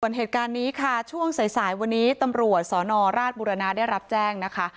ส่วนเหตุการณ์นี้ค่ะช่วงสายสายวันนี้ตำรวจสนราชบุรณาได้รับแจ้งนะคะ